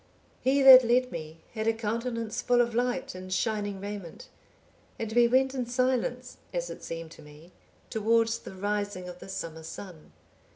(843) "He that led me had a countenance full of light, and shining raiment, and we went in silence, as it seemed to me, towards the rising of the summer sun.